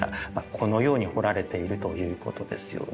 このように彫られているということですよね。